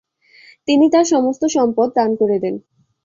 তিনি তার সমস্ত সম্পদ দান করে দেন।